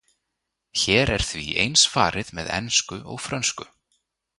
Hér er því eins farið með ensku og frönsku.